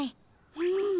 うん。